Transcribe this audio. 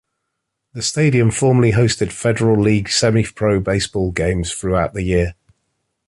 The stadium formerly hosted Federal League Semi-Pro Baseball games throughout the year.